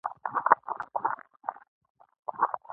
د بهرني هیواد د تګ مقررات له رسمي ویبپاڼې وګوره.